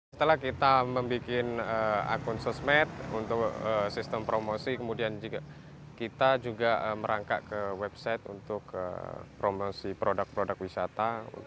setelah kita membuat akun sosmed untuk sistem promosi kemudian kita juga merangkak ke website untuk promosi produk produk wisata